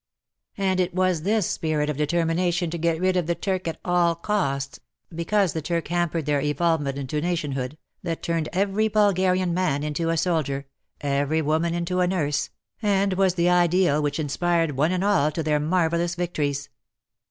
And it was this spirit of determination to get rid of the Turk at all costs — because the Turk hampered their evolvement into nationhood, that turned every Bulgarian man into a soldier, every woman into a nurse, and was the ideal which inspired them one and all to their marvellous victories.